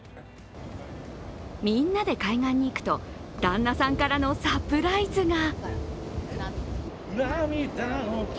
みんなで海岸に行くと旦那さんからのサプライズが。